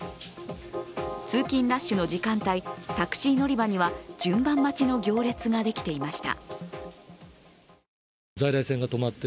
通勤ラッシュの時間帯、タクシー乗り場には、順番待ちの行列ができていました。